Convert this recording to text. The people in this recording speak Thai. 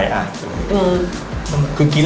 คือกินแล้วมันก็ชอบตั้งแต่เด็กเลยมะ